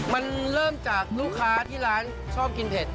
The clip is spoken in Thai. มันเริ่มจากลูกค้าที่ร้านชอบกินเผ็ด